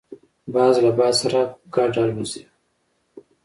باز له باد سره ګډ الوزي